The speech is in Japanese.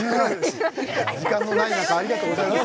時間もない中ありがとうございました。